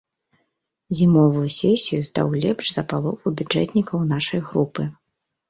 Зімовую сесію здаў лепш за палову бюджэтнікаў нашай групы.